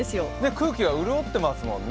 空気が潤ってますもんね。